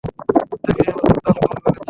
রাঘিনীর মত তালগোল পাকাচ্ছিস।